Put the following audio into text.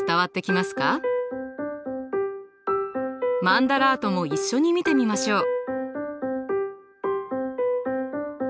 マンダラートも一緒に見てみましょう。